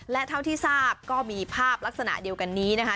และเท่าที่ทราบก็มีภาพลักษณะเดียวกันนี้นะคะ